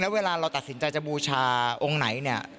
แล้วเวลาเราตัดสินใจจะบูชาองค์ไหน